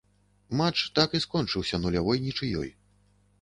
Матч так і скончыўся нулявой нічыёй.